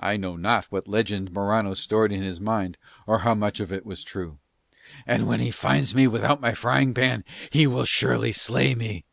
I know not what legend Morano stored in his mind, nor how much of it was true. "And when he finds me without my frying pan he will surely slay me."